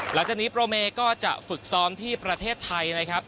หลังจากนี้โปรเมก็จะฝึกซ้อมที่ประเทศไทยนะครับ